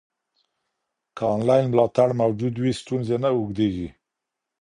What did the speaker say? که انلاین ملاتړ موجود وي، ستونزې نه اوږدېږي.